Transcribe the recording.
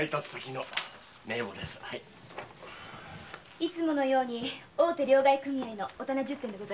いつものように大手両替組合のお店十店でございますね。